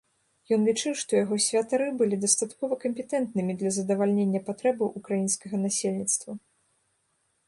Ён лічыў, што яго святары былі дастаткова кампетэнтнымі для задавальнення патрэбаў украінскага насельніцтва.